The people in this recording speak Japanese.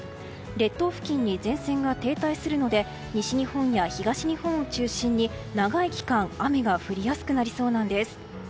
列島付近に前線が停滞するので西日本や東日本を中心に長い期間雨が降りやすくなりそうなんです。